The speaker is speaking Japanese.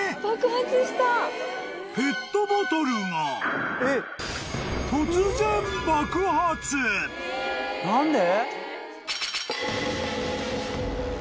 ［ペットボトルが突然］何で？